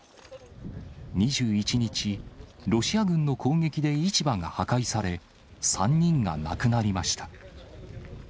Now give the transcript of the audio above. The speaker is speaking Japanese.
２１日、ロシア軍の攻撃で市場が破壊され、３人が亡くなりました。